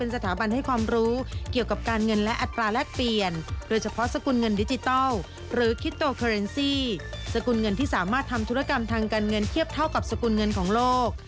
สกุลเงินที่สามารถทำธุรกรรมทางการเงินเขียบเท่ากับสกุลเงินของโลก